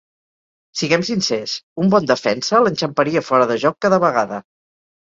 Siguem sincers, un bon defensa l'enxamparia fora de joc cada vegada.